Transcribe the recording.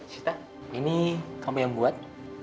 sita ini kami yang buat